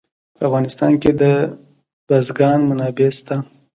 په افغانستان کې د بزګان منابع شته.